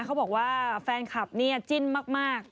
เขาบอกว่าแฟนคลับเนี่ยจิ้นมาก